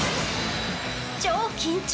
超緊張！